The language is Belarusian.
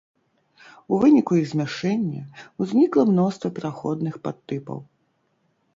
У выніку іх змяшэння ўзнікла мноства пераходных падтыпаў.